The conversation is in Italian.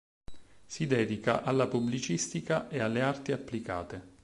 Si dedica alla pubblicistica e alle arti applicate.